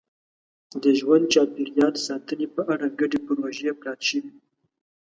د ژوند چاپېریال ساتنې په اړه ګډې پروژې پلان شوي.